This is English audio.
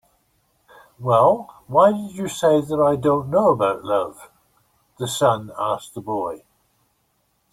"Well, why did you say that I don't know about love?" the sun asked the boy.